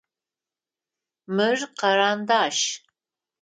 Мыр карандаш.